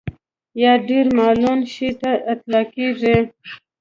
یا ډېر ملعون شي ته اطلاقېږي.